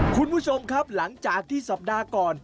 คุณผู้ชมครับหลังจากที่สัปดาห์ก่อน